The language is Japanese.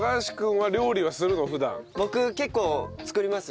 僕結構作ります。